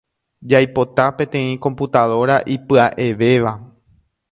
Jaipota peteĩ computadora ipya’evéva.